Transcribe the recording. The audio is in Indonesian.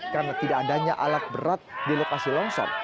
karena tidak adanya alat berat di lokasi longsor